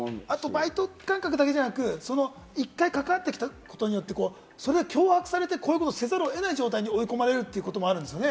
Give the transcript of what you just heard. バイト感覚だけじゃなく、一回関わってきたことによって、それだけ脅迫されて、こういうことをせざるを得ない状況に追い込まれることもあるんですよね。